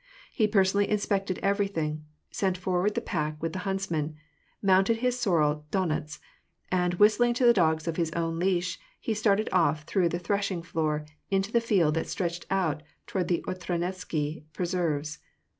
He personally inspected everything, sent forward the pack with the huntsmen, mounted his sorrel Donets ; and, whistling to the dogs of his own leash, he started off through the thresh ing floor into the field that stretched toward the Otradnensky preserves.